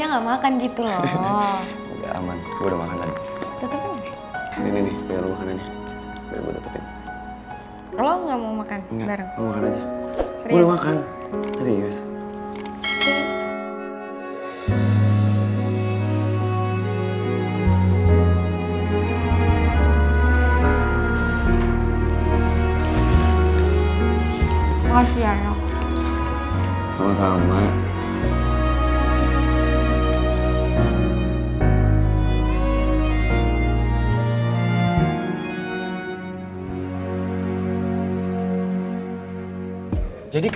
gak aman gue udah makan tadi